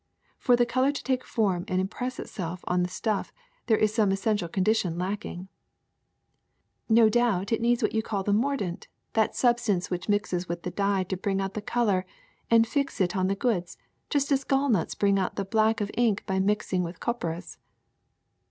For the color to take form and impress itself on the stuff there is some essential condition lacking.'' *^No doubt it needs what you call the mordant, that substance that mixes with the dye to bring out the color and fix it on the goods, just as gallnuts bring out the black of ink by mixing with copperas.''